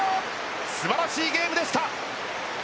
すばらしいゲームでした。